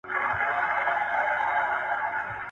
• هندو له يخه مړ سو چرگه ئې ژوندۍ پاته سوه.